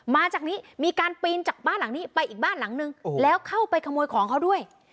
มาจากนี้มีการปีนจากบ้านหลังนี้ไปอีกบ้านหลังนึงแล้วเข้าไปขโมยของเขาด้วย